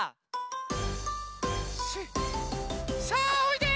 さあおいで！